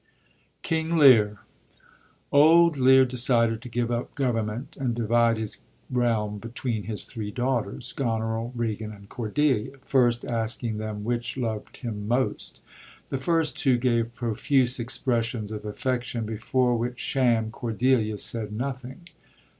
King Leab. — Old Lear decided to give up govern ment, and divide his realm between his three daughters — Goneril, Regan, and Coi'delia— first asking them which lovd him most. The first two gave profuse expressions of affection, before which sham Cordelia said nothing.